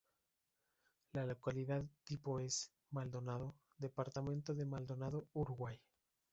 La localidad tipo es: Maldonado, departamento de Maldonado, Uruguay.